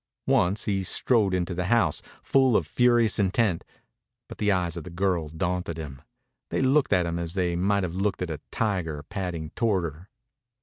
Once he strode into the house, full of furious intent, but the eyes of the girl daunted him. They looked at him as they might have looked at a tiger padding toward her.